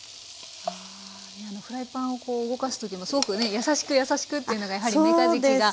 フライパンを動かす時もすごくね優しく優しくというのがやはりめかじきが。